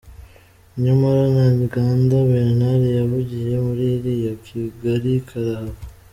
Nyamara Ntaganda Bernard yavugiye muri iliya Kigali karahava!